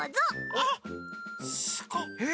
あっすごっ！